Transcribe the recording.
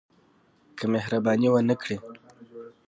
که مهرباني ونه کړي.